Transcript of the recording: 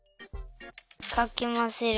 かきまぜる。